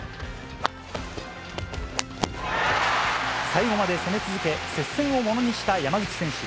最後まで攻め続け、接戦をものにした山口選手。